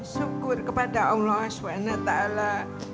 syukur kepada allah subhanahu wa ta'ala